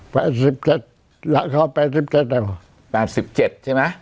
แปดสิบเจ็ดหลังข้อแปดสิบเจ็ดนะครับแปดสิบเจ็ดใช่ไหม